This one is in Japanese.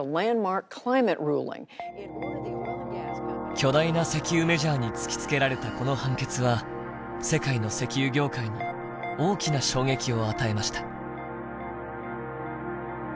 巨大な石油メジャーに突きつけられたこの判決は世界の石油業界に大きな衝撃を与えました。